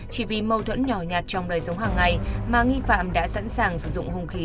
chỉ vì mâu thuẫn nhỏ nhạt trong đời sống hàng ngày mà nghi phạm đã sẵn sàng sử dụng hung khí